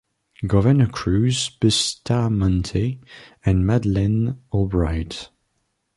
Governor Cruz Bustamante and Madeleine Albright.